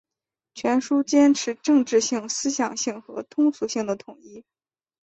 全书坚持政治性、思想性和通俗性的统一